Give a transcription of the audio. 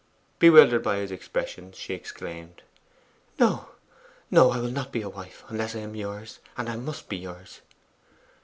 Bewildered by his expressions, she exclaimed 'No, no; I will not be a wife unless I am yours; and I must be yours!